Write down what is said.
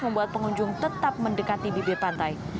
membuat pengunjung tetap mendekati bibir pantai